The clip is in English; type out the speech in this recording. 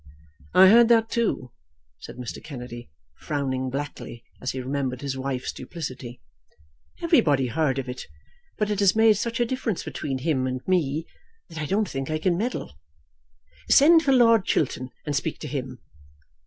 "I heard that, too," said Mr. Kennedy, frowning blackly as he remembered his wife's duplicity. "Everybody heard of it. But it has made such a difference between him and me, that I don't think I can meddle. Send for Lord Chiltern, and speak to him."